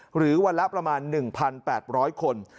หรือวันละประมาณ๑๘๐๐คน